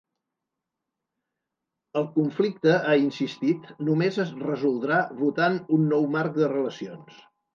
El conflicte, ha insistit, només es resoldrà votant ‘un nou marc de relacions’.